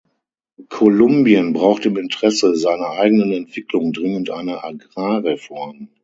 Kolumbien braucht im Interesse seiner eigenen Entwicklung dringend eine Agrarreform.